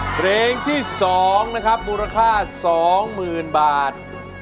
เพลงที่สองนะครับบูรค่าสองหมื่นบาท